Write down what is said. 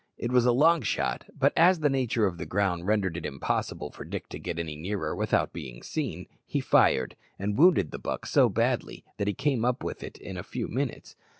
It was a long shot, but as the nature of the ground rendered it impossible for Dick to get nearer without being seen, he fired, and wounded the buck so badly that he came up with it in a few minutes.